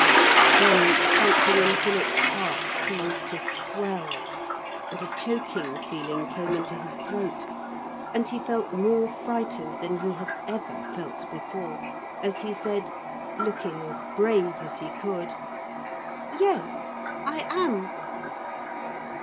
Then something in Philip's heart seemed to swell, and a choking feeling came into his throat, and he felt more frightened than he had ever felt before, as he said, looking as brave as he could: 'Yes. I am.'